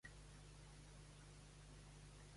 És d'ètnia russa.